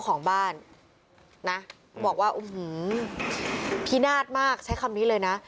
ของบ้านนะบอกว่าอื้อหือพินาศมากใช้คำนี้เลยนะ